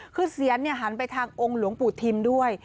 คือเสียนหันไปทางองค์หลวงปู่ทิมด้วย